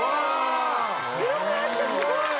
白くなってるすごい！